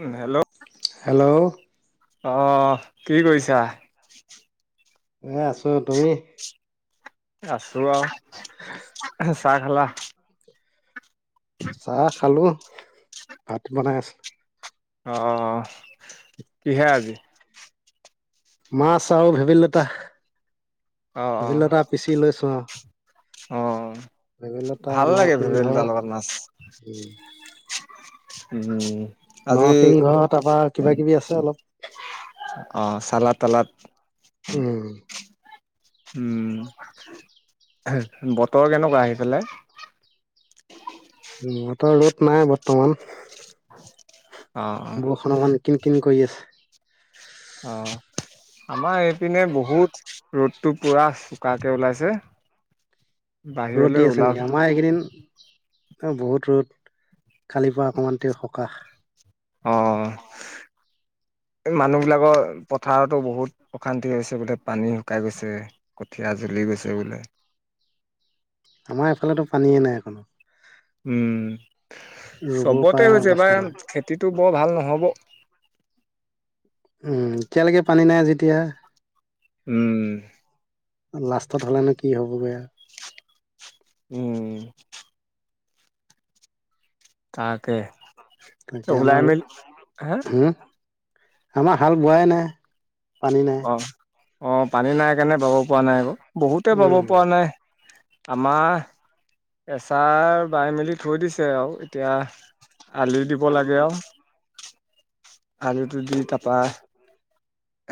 উম hello. Hello অহ, কি কৰিছা? এ' আছোঁ। তুমি? আছোঁ আৰু। চাহ খালা? চাহ খালোঁ। ভাত বনাই আছে। অহ, কিহে আজি? মাছ আৰু ভেদাইলতা। অহ, অহ। লৈছো আৰু অহ, ভেবেলিলতা ভাল লাগে নৰসিংহ ভেদাইলতা লগত মাছ। উম উম। আজি নৰসিংহ, তাৰ পৰা কিবাকিবি আছে অলপ। অহ, চালত-তালাত। উম। উম। বতৰ কেনেকুৱা সেই ফালে? [unintelligible] উম, বতৰ ৰ'দ নাই বৰ্তমান। [unintelligible] বৰষুণ অকণ কিন-কিন কৰি আছে। অহ। আমাৰ এইপিনে বহুত ৰ'দটো পুৰা চোকাকে ওলাইছে। ৰ'দ বাহিৰলৈ দি আছে ওলাব নেকি? আমাৰ এইকেইদিন- অ', বহুত ৰ'দ। কালিৰ পৰা অকণমান তেওঁ সকাহ। অহ। এ' মানুহবিলাকৰ পথাৰতো বহুত অশান্তি হৈছে বোলে, পানী শুকাই গৈছে। কঠীয়া জ্বলি গৈছে বোলে। আমাৰ এইফালেতো পানীয়ে নাই অকনো। উম, ৰুব পৰা চবতে হৈছে। অৱস্থা এইবাৰ নাই খেতিটো বৰ ভাল নহ'ব। উম, এতিয়ালৈকে পানী নাই যেতিয়া। উম। লাষ্টত হ'লেনো কি হ'বগৈ আৰু। উম। তাকে। তাকে ত' আমাৰ ওলাই-মেলি, হা? হম আমাৰ হাল বোৱাই নাই, পানী নাই। অহ। অ', পানী নাই কাৰণে বৱাব পৰা নাই আকৌ। বহুতে বাৱব উম পৰা নাই। আমাৰ এচাৰ বাই মেলি থৈ দিছে আৰু এতিয়া আলি দিব লাগে আৰু। আলিটো দি তাৰপা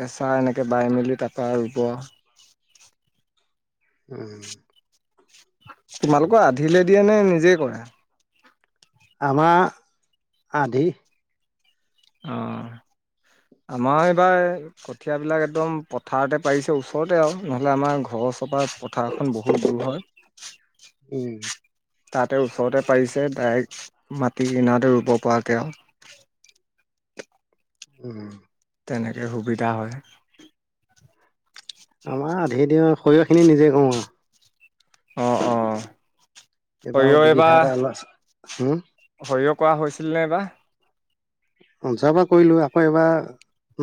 এচাৰ এনেকৈ বাই মেলি তাৰপৰা ৰু'ব। উম। তোমালোকৰ আধিলে দিয়ে নে, নিজেই কৰে? আমাৰ আধি। অ', আমাৰ এইবাৰ এই কঠিয়াবিলাক একদম পথাৰতে পাৰিছে ওচৰতে আৰু নহ'লে আমাৰ ঘৰৰ ওচৰপা পথাৰখন বহুত দূৰ হয়। উম তাতে ওচৰতে পাৰিছে, ডাইৰেক্ট মাটি কিনাৰতে ৰুব পৰাকৈ আৰু। উম, উম। তেনেকৈ সুবিধা হয়। আমাৰ আধি দিওঁ, সৰিয়হখিনি নিজে কৰোঁ আৰু। অ', অ'। এইবাৰ আৰু দুবিঘা এটা উলাইছে, উম! সৰিয়হ কৰা হৈছিলনে এইবাৰ? অ', যোৱাবাৰ কৰিলোঁ, আকৌ এইবাৰ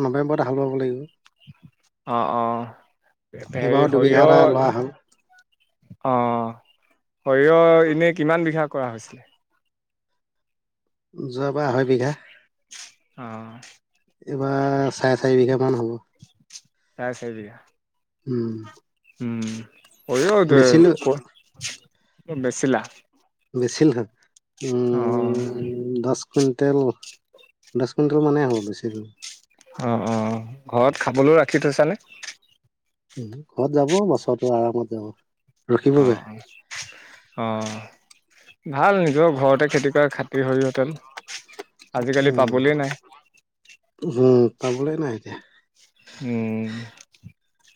নৱেম্বৰত হাল বাব লাগিব। অ', অ', এইবাৰো হেৰি দুবিঘা সৰিয়হ এটা লোৱা হ'ল অ', সৰিয়হ এনে কিমান বিঘা কৰা হৈছে? যোৱাবাৰ আঢ়ৈ বিঘা। অ'। এইবাৰ চাৰে চাৰি বিঘা মান হ'ল। চাৰে চাৰি বিঘা! উম। উম, সৰিয়হ বেচিলো ক'ত বেছিলা? বেছিলো অ'। উম, দছ কুইণ্টেল, দছ কুইণ্টেল মানেই হ'ব বেচিলো। অ', অ', ঘৰত খাবলৈও ৰাখি থৈছানে? ঘৰত যাব বছৰটো আৰামত যাব। ৰখিবগৈ অ', অ'। অ', ভাল নিজৰ ঘৰতে খেতি কৰা খাতি সৰিয়হৰ তেল। আজিকালি উম পাবলে নাই। উম, পাবলে নাই এতিয়া। উম,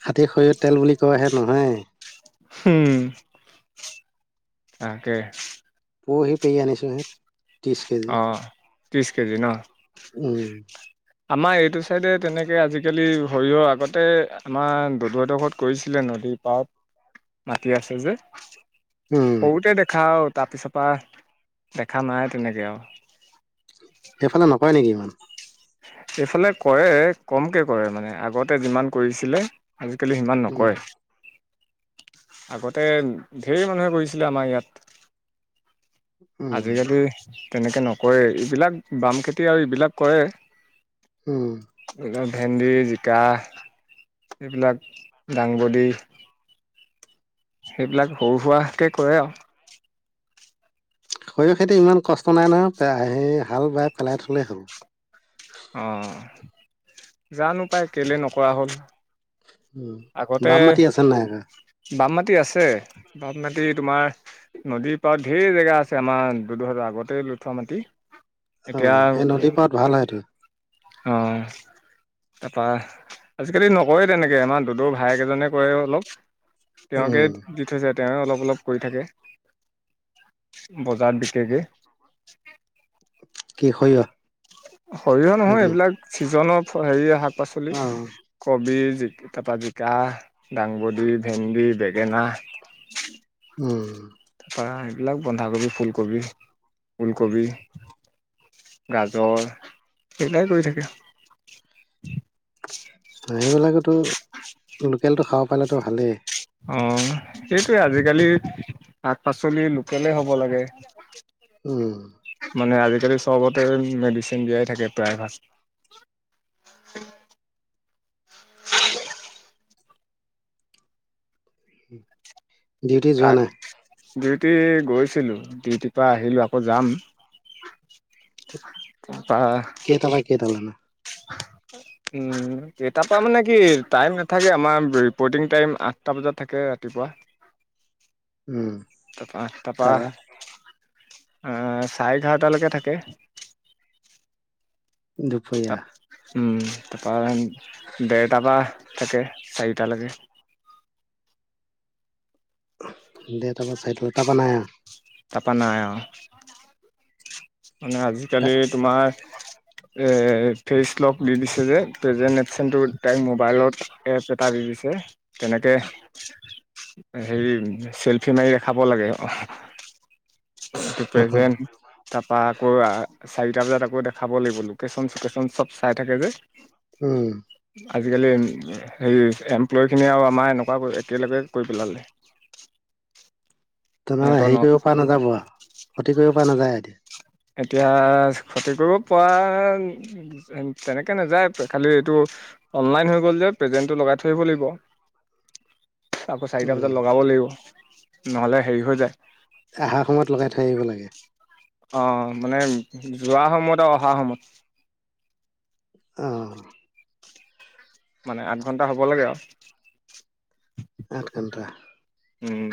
খাতী সৰিয়হ তেল বুলি কয়হে মানুহে! উম। তাকে। পোৰহি পেৰি আনিছোঁহে। ত্ৰিছ কেজি অ', ত্ৰিছ কেজি ন? উম আমাৰ এইটো চাইডে তেনেকে আজিকালি সৰিয়হ আগতে আমাৰ দদৌহতৰ ঘৰত কৰিছিলে, নদীত পাৰত, মাতি আছে যে। উম সৰুতে দেখা আৰু তাৰপিছৰ পা দেখা নাই তেনেকে আৰু। [inaudible] সেইফালে নহয় নেকি ইমান? এইফালে কৰে, কমকে কৰে মানে। আগতে যিমান কৰিছিলে, আজিকালি সিমান নকৰে। [unintelligible] আগতে ধেৰ মানুহে কৰিছিলে আমাৰ ইয়াত। উম আজিকালি তেনেকে নকৰে। এইবিলাক বাম খেতি আৰু এইবিলাক কৰে। উম এই ভেন্দি, জিকা এইবিলাক দাংবডী সেইবিলাক সৰু সুৰাকে কৰে আৰু। সৰিয়হ খেতি ইমান কষ্ট নাই নহয়ে হেই হাল বাই পেলাই থ'লেই হ'ল। অ জানো পাই কেলে নকৰা হ'ল। উম আগতে বাম মাটি আছে নাই? এ বাম মাটি আছে বাম মাটি তোমাৰ নদীৰ পাৰত ঢেৰ জেগা আছে আমাৰ দুইহাজৰ আগতেই লৈ থোৱা মাটি। অ এতিয়া সেই নদী পাৰত ভাল হয়তটো। অ তাৰপা আজিকালি নকৰে তেনেকে আমাৰ দুদৌৰ ভাইকেইজনে কৰে অলপ। তেওঁকে উম দি থৈছে তেওঁ অলপ অলপ কৰি থাকে বজাৰত বিকেগে কি সৰিয়হ সৰিয়হ নহয় নেকি এইবিলাক চিজনৰ হেৰিয় শাক পাচলি। অ কৱি, জিকা, দাংবডী, ভেন্দি, বেঙেনা। উম তাৰপৰা এইবিলাক বন্ধাকবি, ফুলকবি ঔলকবি। গাজৰ সেইবিলাই কৰি থাকে। সেইবিলাকতো লোকেলটো খাব পালেতো ভালেই। অ সেইটোৱে আজিকালি শাক পাচঁলি লোকেলে হ'ব লাগে। উম মানে আজিকালি চবতে মেডিচিন দিয়াই থাকে প্ৰায় ভাগ। ডিউটি যোৱা তাক নাই ডিউটি গৈছিলোঁ ডিউটিৰ পৰা আহিলোঁ আকৌ যাম। অহ কেইটা পাই কেইটা লয়কে। উম এ তাৰ পৰা মানে কি টাইম নাথাকে আমাৰ বটিঙ টাইম আঠটা বজাত থাকে ৰাতিপুৱা। উম তাৰপা আঠটাহ তাৰপা পৰা চাৰে এঘাৰটালৈকে থাকে। ত দুপৰীয়া উম তাৰপৰা ডেৰটাৰ পৰা থাকে চাৰিটালৈকে। [unintelligible] তাপা নাই আৰু মানে আজিকালি আৰু তোমাৰ এ ফেচ লক দি দিছে যে প্ৰেজেণ্ট এফচেণ্টটো তাইক মোৱাইলত। এপ এটা দি দিছে তেনেকে হেৰি চেলফি মাৰি দেখাব লাগে। অহ এইটো প্ৰেজেণ্ট। পৰা আকৌ চাৰিটা বজাত আকৌ দেখাব লাগিব লোকেশ্যন চকেশ্যন চব চাই থাকে যে। উম আজিকালি হেৰি এমপ্লয়খিনিয়ে আৰু আমাৰ এনেকুৱা একেলগে কৰি পেলালে। তোৰমানে সিহঁতৰ ন হেৰি কৰিব পৰা নাযাব আৰু ক্ষতি কৰিব পৰা নাযায় এতিয়া। এতিয়া ক্ষতি কৰিব পৰা। তেনেকে নাযায় খালি এইটো অনলাইন হৈ গ'ল যে প্ৰেজেন্টটো লগাই থৈ আহিৱ লাগিব। [unintelligible] আকৌ চাৰিটা বজাত উম লগাব লাগিব নহলে হেৰি হৈ যায়। আহাৰ সময়ত লগাই থৈ আহিব লাগে। অ মানে যোৱা সময়ত আৰু অহা সময়ত। অ। মানে আঠ ঘন্টা হ'ব লাগে আৰু। আঠ ঘণ্টা। উম।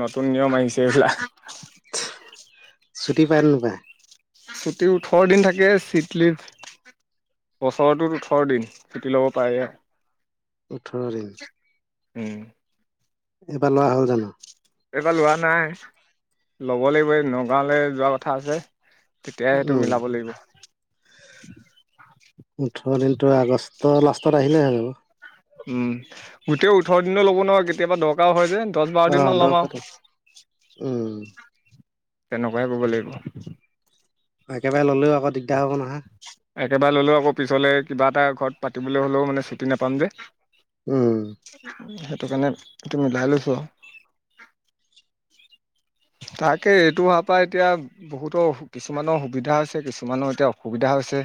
নতুন নিয়ম আহিছে এইবিলাক। ছুটি পাই নেপাই। ছুটি ওঠঁৰ দিন থাকে চিট লিভ বছৰটোত ওঠঁৰ দিন ছুটি ল'ব পাৰে। ওঠঁৰ‌ দিন। উম। এইবাৰ লোৱা হ'ল জানোঁ। এইবাৰ লোৱা নাই ল'ব লাগিব এই নগাঁৱলে যোৱা কথা আছে। তেতিয়াহে সেইটো উম মিলাব লাগিব। ওঠঁৰ দিন তোৰ আগষ্ট লাষ্টত আহিলে হৈ যাব। উম গোটেই ওঠঁৰ দিনে ল'ব নোৱাৰ কেতিয়াবা দ দৰকাৰ হয় যে দহ বাৰ অ দিনমান ল'ম আৰু [unintelligible] উম তেনেকুৱাই কৰিব লাগিব। একেবাৰে ল'লেও আকৌ দিগদাৰ হ'ব নহয়। একেবাৰে ললেও আকৌ পিছলে কিবা এটা ঘৰত পাতিবলৈ হ'লেও মানে ছুটি নেপাম যে। উম সেইটো কাৰণে এইটো মিলাই লৈছোঁ আৰু। তাকে এইটো হোৱা পা এতিয়া বহুতৰ কিছুমানৰ সুবিধা হৈছে কিছুমানৰ এতিয়া অ সুবিধা হৈছে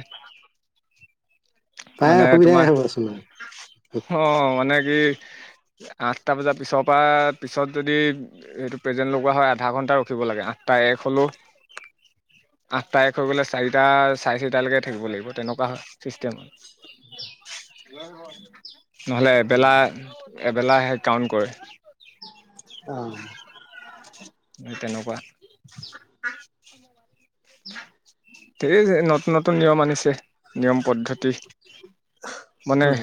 প্ৰায় মানে অসুবিধাই তোমাৰ? হ'বচোন আৰু। অ মানে কি? আঠটা বজাৰ পিছৰ পৰা পিছত যদি এইটো প্ৰেজেন্ট লগোৱা হয় আধা ঘণ্টা ৰখিব লাগে আঠটা এক হ'লেও আঠটা এক হৈ গ'লে চাৰিটা চাৰে চাৰিটালৈকে থাকিব লাগিব তেনেকুৱা হয় চিষ্টেম। [unintelligible] নহ'লে এবেলা -এবেলা সে কাউণ্ট কৰে। অহ। [unintelligible] সেই তেনেকুৱা। ঢ়েই নতুন- নতুন নিয়ম আনিছে নিয়ম পদ্ধতি, মানে উম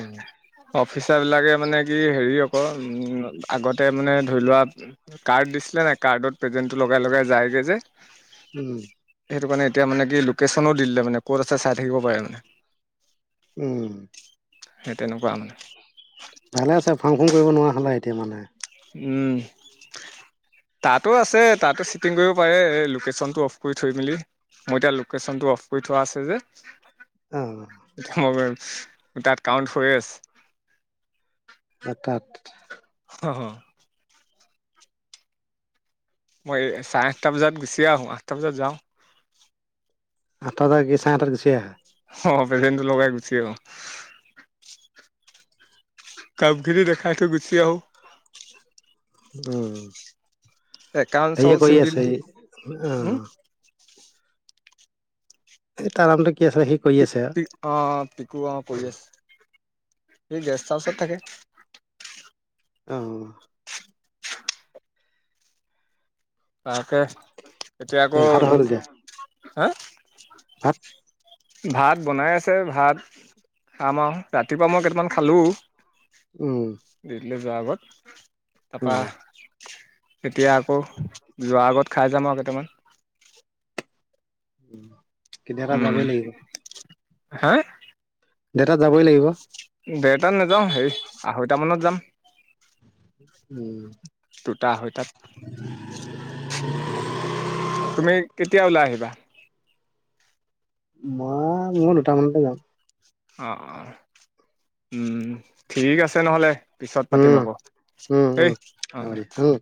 অফিচাৰবিলাকে মানে কি হেৰি আকৌ আগতে মানে ধৰি লোৱা কাৰ্ড দিছিলে নাই কাৰ্ডত প্ৰেজেন্টটো লগাই- লগাই যায়গে যে। উম। সেইটো কাৰণে এতিয়া মানে কি লোকেশ্যনো দি দিলে মানে ক'ত আছে চাই থাকিব পাৰে মানে। উম। সেই তেনেকুৱা মানে। [unintelligible] ভালে আছে ফাং ফুং কৰিব নোৱাৰা হ'লা এতিয়া মানে। উম। তাতো আছে, তাতো চেকিং কৰিব পাৰে লোকেশ্যনটো অফ কৰি থৈ মেলি। মই এতিয়া লোকেশচনটো অফ কৰি থোৱা আছে যে। অহ। [unintelligible] তাত কাউণ্ট হৈ আছে। এটাত। হ' হ'। মই এই, চাৰে আঠটা বজাত গুচিয়ে আহোঁ। আঠটা বজাত যাওঁ। আঠটা বজাত গৈ চাৰে আঠটাত গুচি আহা? অহ, প্ৰেজেন্টো লগাই গুচি আহোঁ। কামখিনি দেখাই থৈ গুচি আহোঁ। উম। একাউণ্ট চাওঁ সৈয়ে কৰি চিভিল আছে, উম অহ। এই তাৰ নামটো কি আছিলে? সি- কৰি পিক, আছে পিক অ', পিকু অ' কৰি আছে। সি গেষ্ট হাউচত থাকে। অহ। তাকে। এতিয়া এ আকৌ, ভাত হ'ল দিয়া হা? ভাত। ভাত বনাই আছে। ভাত খাম আৰু। ৰাতিপুৱা মই কেইটামান খালোঁ। উম। দিউতিলৈ যোৱা আগত। উম, তাৰপৰা - এতিয়া আকৌ, যোৱা আগত খাই যাম আৰু কেইটামান। কেতিয়াবা যাবই উম লাগিব। হা? দেৰটাত যাবই লাগিব। দেৰটাত নেযাওঁ, হেই, আঢ়ৈটা মানত যাম। উম। দুটা-আঢ়ৈটাত। তুমি কেতিয়া ওলাই আহিবা? মই, মইয়ো দুটামানতে যাম। অ' অ', উম। ঠিক আছে নহ'লে। পিছত পাতিম উম, আকৌ, উম, দেই। উম, অ' হ'ব অ'। দিয়া উম।